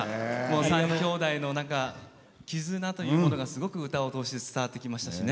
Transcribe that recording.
３兄弟の絆というものがすごく歌を通して伝わってきましたしね。